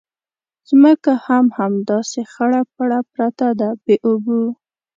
ځمکه هم همداسې خړه پړه پرته ده بې اوبو.